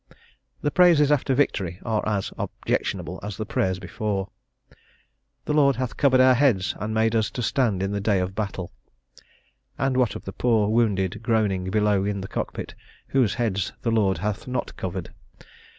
The praises after victory are as objectionable as the prayers before: "The Lord hath covered our heads and made us to stand in the day of battle." And what of the poor wounded, groaning below in the cockpit, whose heads the Lord hath not covered?